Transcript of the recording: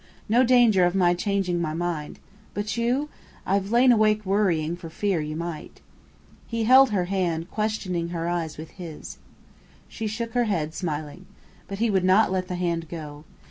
No danger of my changing my mind! But you? I've lain awake worrying for fear you might." He held her hand, questioning her eyes with his. She shook her head, smiling. But he would not let the hand go.